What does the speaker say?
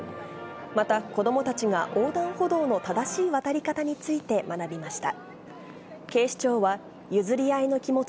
また子どもたちが横断歩道の正しい渡り方について学びました。